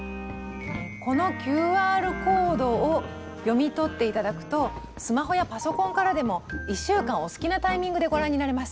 このＱＲコードを読み取って頂くとスマホやパソコンからでも１週間お好きなタイミングでご覧になれます。